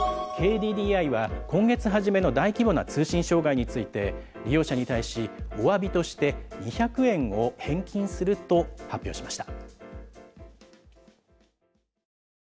ＫＤＤＩは、今月初めの大規模な通信障害について、利用者に対し、おわびとして２００円を返金すると発表しました。